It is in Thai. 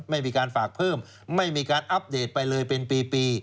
ไม่มีการฝากเพิ่มไม่มีการอัปเดตไปเลยเป็นปี